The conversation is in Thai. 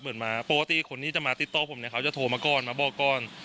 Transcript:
เหมือนมาปกติคนที่จะมาติดต่อผมเนี่ยเขาจะโทรมาก่อนมาบอกก่อน